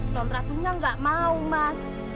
nonratunya gak mau mas